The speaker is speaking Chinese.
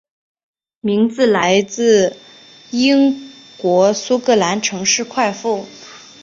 名字来自英国苏格兰城市快富。